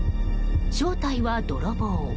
正体は泥棒。